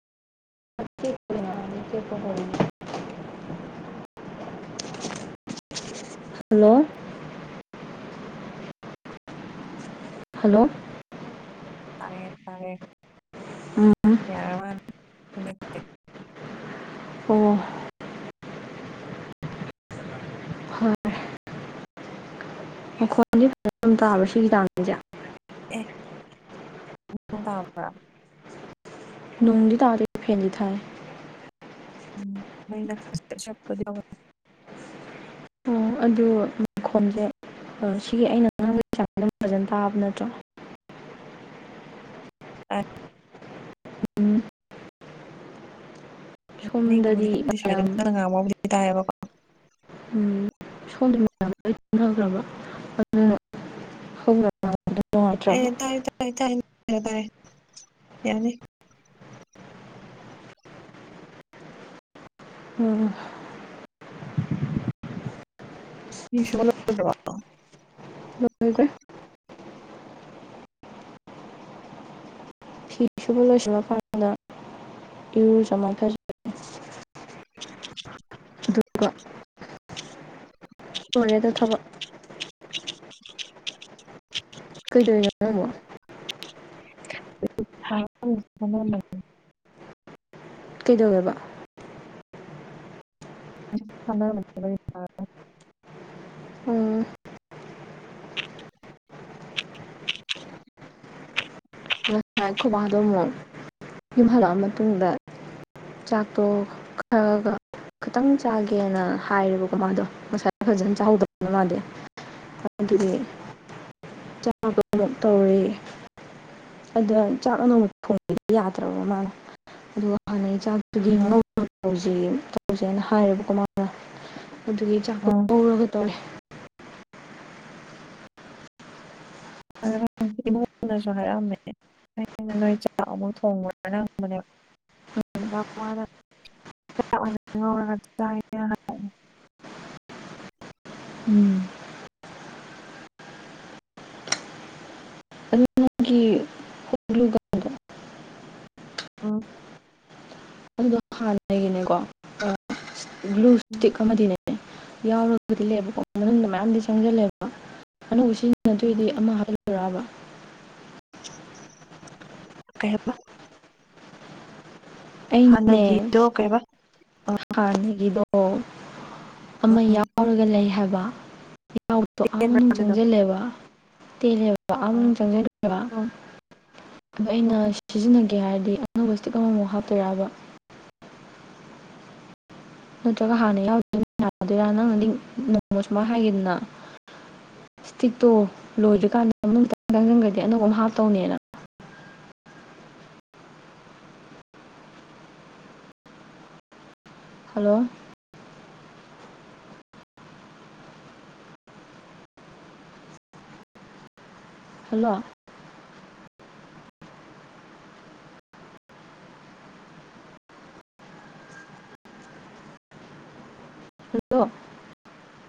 [inaudible] hello hello ꯇꯥꯔꯦ ꯇꯥꯔꯦ ꯌꯥꯔꯃꯥꯜꯂꯦ [inaudible] [inaudible] ꯑꯣ ꯐꯔꯦ [inaudible] [inaudible] ꯅꯣꯡꯗꯤ ꯇꯥꯗꯦ ꯐꯦꯟꯗꯤ ꯊꯥꯏ [inaudible] ꯑꯣ ꯑꯗꯨ ꯃꯈꯣꯟꯁꯦ ꯑꯥ ꯁꯤꯒꯤ ꯑꯩꯅ ꯉꯥꯡꯕꯩ ꯆꯥꯡ ꯗꯨꯝ ꯐꯖꯟ ꯇꯥꯕ ꯅꯠꯇ꯭ꯔꯣ ꯇꯥꯏ ꯎꯝ ꯁꯣꯝꯗꯗꯤ ꯈꯔꯗꯤ ꯁ꯭ꯋꯥꯏꯗ ꯃꯌꯥꯝ ꯅꯪꯅ ꯉꯥꯡꯕꯕꯨꯗꯤ ꯇꯥꯏꯌꯦꯕꯀꯣ ꯎꯝ [inaudible] ꯑꯦ ꯅꯨꯡꯉꯥꯏꯇ꯭ꯔꯕ ꯇꯥꯏ ꯇꯥꯏ ꯇꯥꯏ ꯇꯥꯏ ꯌꯥꯅꯤ ꯎꯝ [inaudible] [inaudible] ꯐꯤꯁꯨꯕ ꯂꯣꯏꯁꯜꯂꯀꯟꯗ ꯏꯔꯨꯖꯃꯥꯏꯊꯖꯒꯅꯤ [inaudible] ꯑꯗꯨꯒ ꯂꯣꯏꯔꯦꯗ ꯊꯕꯛ [inaudible] ꯀꯩꯗꯣꯏꯅꯣ [unintelligible] [unintelligible] ꯀꯩꯗꯧꯋꯦꯕ [unintelligible] ꯎꯝ [inaudible] ꯅꯏ ꯈꯣꯏ ꯕꯗꯣꯑꯃꯨꯛ ꯌꯨꯝ ꯍꯜꯂꯛꯑ ꯃꯇꯨꯡꯗ ꯆꯥꯛꯇꯣ ꯈꯒ ꯈꯤꯇꯪ ꯆꯥꯒꯦꯅ ꯍꯥꯏꯔꯦꯕꯀꯣ ꯃꯗꯣ ꯉꯁꯥꯏ ꯐꯖꯅ ꯆꯥꯍꯧꯗꯕꯅꯤꯅ ꯃꯗꯤ ꯑꯗꯨꯅꯦ ꯆꯥꯗꯣ ꯑꯃꯨꯛ ꯇꯧꯔꯤ ꯑꯗꯣ ꯍꯏ ꯆꯥꯛ [unintelligible] ꯑꯃꯨꯛ ꯊꯣꯡꯕꯗꯤ ꯌꯥꯗ꯭ꯔꯕ ꯃꯅ ꯑꯗꯨꯒ ꯍꯥꯟꯅꯩ [unintelligible] ꯑꯗꯨꯒꯤ ꯆꯥꯛꯇꯣ ꯉꯧꯔꯒ ꯇꯧꯋꯦ [unintelligible] ꯑꯩꯅ ꯅꯣꯏ ꯆꯥꯛ ꯑꯃꯨꯛ ꯊꯣꯡꯕ꯭ꯔꯅ ꯍꯪꯕꯅꯦꯕ ꯑꯗ ꯃꯅ ꯆꯥꯛ ꯑꯣꯏꯅ ꯉꯧꯔꯒ ꯆꯥꯏꯌꯦ ꯍꯥꯏꯅ ꯎꯝ ꯑꯗꯨ ꯅꯪꯒꯤ ꯒ꯭ꯂꯨꯒꯟꯗꯣ ꯑꯥ ꯍꯅꯒꯤꯅꯦꯀꯣ ꯒ꯭ꯂꯨ ꯎꯝ ꯏꯁꯇꯤꯛ ꯑꯃꯗꯤꯅꯦ ꯌꯥꯎꯔꯒꯕꯨꯗꯤ ꯂꯩꯕꯀꯣ ꯃꯅꯨꯡꯗ ꯃꯌꯥꯝꯗꯤ ꯆꯪꯁꯤꯜꯂꯦꯕ ꯑꯅꯧꯕ ꯁꯤꯟ ꯎꯝ [unintelligible] ꯀꯩꯍꯥꯕ ꯑꯩꯅꯦ ꯍꯥꯟꯅꯒꯤꯗꯣ ꯀꯩꯕ ꯍꯥꯟꯅꯒꯤꯗꯣ ꯑꯃ ꯎꯝ ꯌꯥꯎꯔꯒ ꯂꯩ ꯍꯥꯏꯕ ꯌꯥꯎꯕꯗꯣ ꯑꯥ ꯇꯦꯟꯕ꯭ꯔꯥ ꯃꯅꯨꯡ ꯑꯗꯨꯗꯣ ꯆꯪꯁꯤꯜꯂꯦꯕ ꯇꯦꯜꯂꯦꯕ ꯑꯥ ꯎꯝ ꯃꯅꯨꯡ ꯆꯪꯖꯜꯂꯦꯕ ꯎꯝ ꯑꯗꯨ ꯑꯩꯅ ꯁꯤꯖꯤꯟꯅꯒꯦ ꯍꯥꯏꯔꯗꯤ ꯑꯅꯧꯕ ꯏꯁꯇꯤꯛ ꯑꯃꯃꯨꯛ ꯍꯥꯞꯇꯣꯏꯔꯕ ꯅꯠꯇ꯭ꯔꯒ ꯍꯥꯟꯅ ꯌꯥꯎ ꯌꯥꯗꯣꯏꯔꯥ ꯅꯪꯅꯗꯤ ꯅꯣꯡꯃ ꯁꯨꯃꯥꯏꯅ ꯍꯥꯏꯈꯤꯗꯅ ꯏꯁꯇꯤꯛꯇꯣ ꯂꯣꯏꯗ꯭ꯔꯤꯀꯥꯟꯗ ꯑꯥ ꯃꯅꯨꯡ ꯇꯥꯟ ꯆꯪꯁꯤꯟꯈ꯭ꯔꯗꯤ ꯑꯅꯧꯕ ꯑꯃ ꯍꯥꯞꯇꯧꯅꯦꯅ ꯍꯜꯂꯣ ꯍꯜꯂꯣ ꯍꯜꯂꯣ